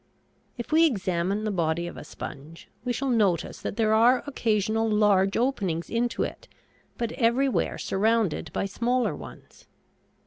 If we examine the body of a sponge we shall notice that there are occasional large openings into it, but everywhere surrounded by smaller ones.